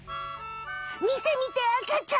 みてみてあかちゃん！